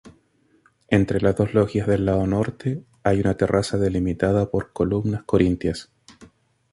Entre las dos logias del lado norte hay una terraza delimitada por columnas corintias.